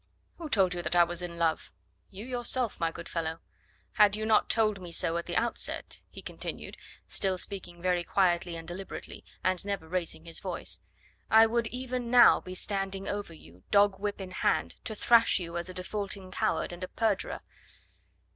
"Who told you that I was in love?" "You yourself, my good fellow. Had you not told me so at the outset," he continued, still speaking very quietly and deliberately and never raising his voice, "I would even now be standing over you, dog whip in hand, to thrash you as a defaulting coward and a perjurer